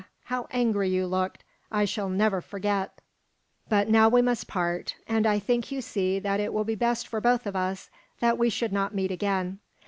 How angry you looked, I shall never forget! But now we must part, and I think you see that it will be best for both of us that we should not meet again.